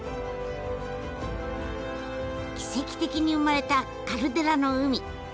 奇跡的に生まれたカルデラの海。